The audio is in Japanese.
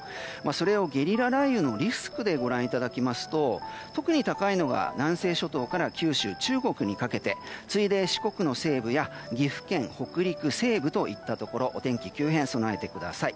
それをゲリラ雷雨のリスクでご覧いただきますと特に高いのが南西諸島から九州、中国にかけて次いで四国の西部や岐阜県、北陸の西部といったところお天気の急変に備えてください。